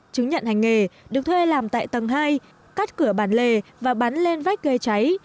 chứng nhận hành nghề được thuê làm tại tầng hai cắt cửa bàn lề và bắn lên vách ghê cháy